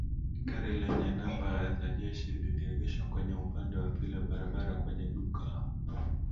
Gari lenye namba za jeshi liliegeshwa kwenye upande wa pili wa barabara kwenye duka